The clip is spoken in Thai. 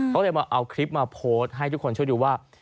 ก็เลยมาเอาคลิปมาโพสต์ให้ทุกคนช่วยดูว่า